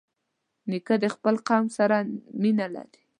نیکه د خپل قوم سره مینه لري.